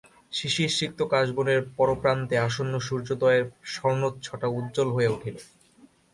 শিশিরসিক্ত কাশবনের পরপ্রান্তে আসন্ন সূর্যোদয়ের স্বর্ণচ্ছটা উজ্জ্বল হইয়া উঠিল।